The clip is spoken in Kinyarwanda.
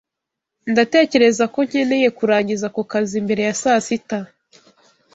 Ndatekereza ko nkeneye kurangiza ako kazi mbere ya saa sita.